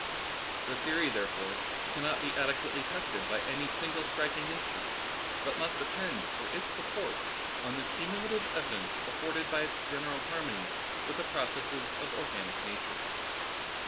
The theory, therefore, cannot be adequately tested by any single striking instance, but must depend for its support on the cumulative evidence afforded by its general har mony with the processes of organic nature.